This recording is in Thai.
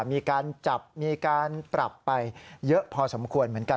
มีการจับมีการปรับไปเยอะพอสมควรเหมือนกัน